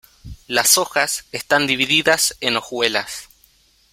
Las hojas están divididas en hojuelas.